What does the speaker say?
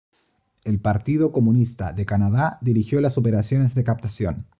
El Partido Comunista de Canadá dirigió las operaciones de captación.